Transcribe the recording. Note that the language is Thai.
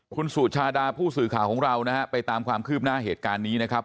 คุณสุชาดาผู้สื่อข่าวของเรานะฮะไปตามความคืบหน้าเหตุการณ์นี้นะครับ